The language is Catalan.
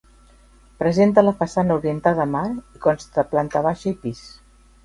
Presenta la façana orientada a mar i consta de planta baixa i pis.